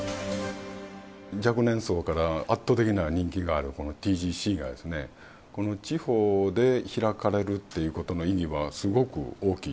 若年層から圧倒的な人気があるこのＴＧＣが、この地方で開かれるっていうことの意義はすごく大きい。